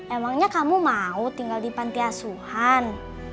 emangnya kamu mau tinggal di pantiasuhan